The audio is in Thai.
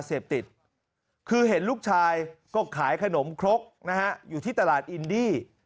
เสพติดคือเห็นลูกชายก็ขายขนมครกนะฮะอยู่ที่ตลาดอินดี้